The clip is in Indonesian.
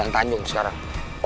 dian tanjung sekarang